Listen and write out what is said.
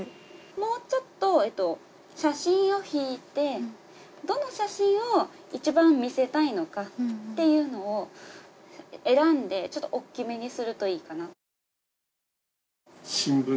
もうちょっと写真を引いてどの写真を一番見せたいのかっていうのを選んでちょっと大きめにするといいかな。